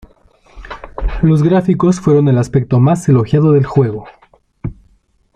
Los gráficos fueron el aspecto más elogiado del juego.